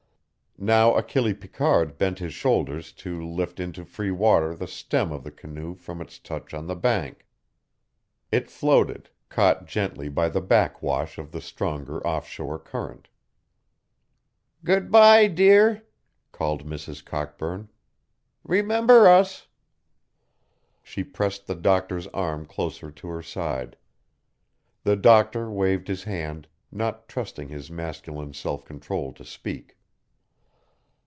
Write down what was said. Now Achille Picard bent his shoulders to lift into free water the stem of the canoe from its touch on the bank. It floated, caught gently by the back wash of the stronger off shore current. "Good by, dear," called Mrs. Cockburn. "Remember us!" She pressed the Doctor's arm closer to her side. The Doctor waved his hand, not trusting his masculine self control to speak.